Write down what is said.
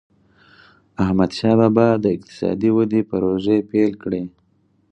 احمدشاه بابا به د اقتصادي ودي پروژي پیل کړي.